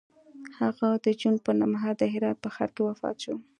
هغه د جون پر نهمه د هرات په ښار کې وفات شو.